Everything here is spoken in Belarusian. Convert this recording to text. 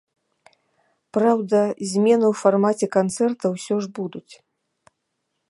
Праўда, змены ў фармаце канцэрта ўсё ж будуць.